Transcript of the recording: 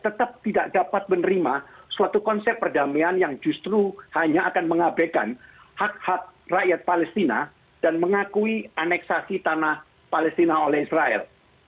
tetap tidak dapat menerima suatu konsep perdamaian yang justru hanya akan mengabekan hak hak rakyat palestina dan mengakui aneksasi tanah palestina oleh israel